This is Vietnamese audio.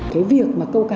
cái việc mà câu cá